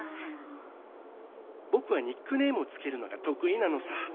僕はニックネームを付けるのが得意なのさ。